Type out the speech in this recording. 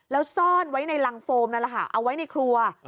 แล้วซ่อนไว้ในรังโฟมนั่นแหละค่ะเอาไว้ในครัว